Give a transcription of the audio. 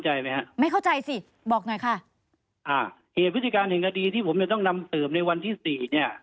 เหตุพฤติการแห่งคดีที่ผมจะต้องนำเสริมในวันที่๔เนี่ย